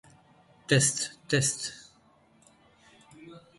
Carter performed both themes.